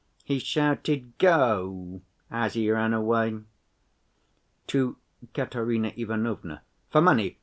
He shouted 'Go' as he ran away." "To Katerina Ivanovna." "For money?